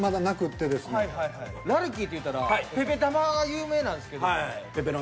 「らるきい」っていったらペペたま。が有名なんですけど。